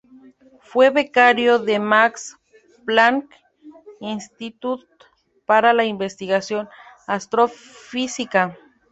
Fue becario del Max Planck Institut, para la investigación Astrofísica.